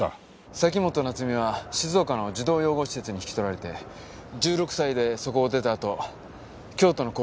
崎本菜津美は静岡の児童養護施設に引き取られて１６歳でそこを出たあと京都の工場に就職していました。